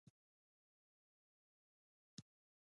غله دانه د خدای نعمت دی.